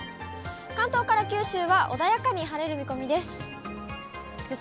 関東から九州は穏やかに晴れる見予想